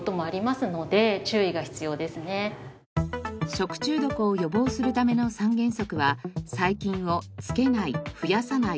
食中毒を予防するための３原則は細菌を「付けない」「増やさない」「やっつける」。